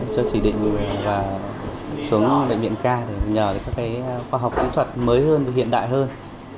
cho chỉ định mình vào xuống bệnh viện ca để nhờ các khoa học kỹ thuật mới hơn hiện đại hơn